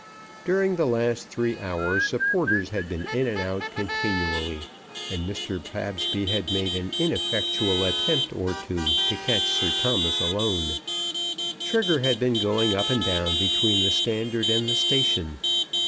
During the last three hours supporters had been in and out continually, and Mr. Pabsby had made an ineffectual attempt or two to catch Sir Thomas alone. Trigger had been going up and down between the Standard and the station.